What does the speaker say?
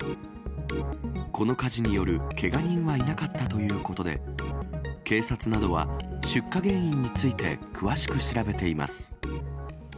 この火事によるけが人はいなかったということで、警察などは出火原因について詳しく調べています。